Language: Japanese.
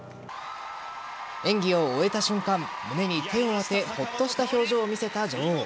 演技を終えた瞬間胸に手を当てほっとした表情を見せた女王。